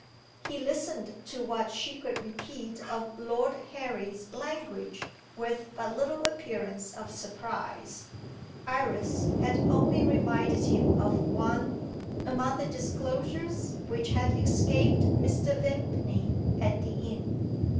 He listened to what she could repeat of Lord Harry's language with but little appearance of surprise. Iris had only reminded him of one, among the disclosures which had escaped Mr. Vimpany at the inn.